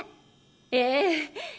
ええ。